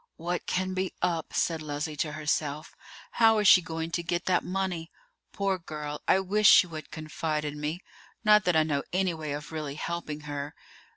"What can be up?" said Leslie to herself. "How is she going to get that money? Poor girl, I wish she would confide in me; not that I know any way of really helping her.